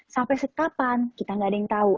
sampai setelah kapan kita nggak ada yang tahu